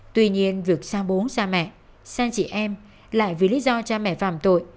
tuy nhiên việc xa bố xa mẹ xa chị em lại vì lý do cha mẹ phạm tội